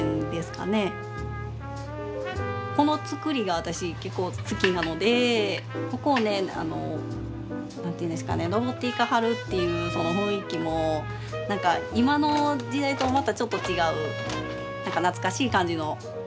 この作りが私結構好きなのでここをね何て言うんですかね上っていかはるっていうその雰囲気も何か今の時代とまたちょっと違う何か懐かしい感じの。